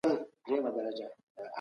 خدای کولای سي خپل حقونه وبخښي.